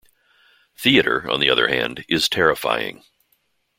Theatre, on the other hand, is terrifying.